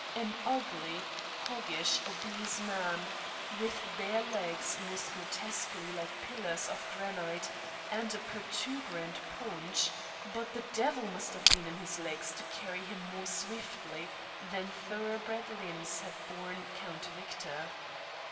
an ugly, hoggish, obese man, with bare legs most grotesquely like pillars of granite, and a protuberant paunch; but the devil must have been in his legs to carry him more swiftly than thoroughbred limbs had borne Count Victor.